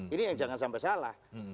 ini yang jangan sampai salah